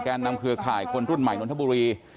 นำเครือข่ายคนรุ่นใหม่นนทบุรี